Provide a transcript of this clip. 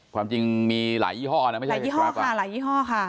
ความจริงมีหลายยี่ห้อนะไม่ใช่หลายยี่ห้อค่ะหลายยี่ห้อค่ะ